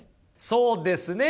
そうですね。